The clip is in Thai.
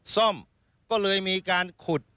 ซ่อมก็เลยมีการขุด